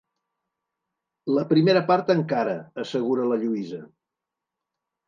La primera part encara —assegura la Lluïsa—.